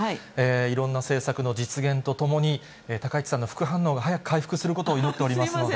いろんな政策の実現とともに、高市さんの副反応が早く回復することを祈っておりますので。